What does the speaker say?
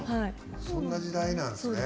そんな時代なんですね。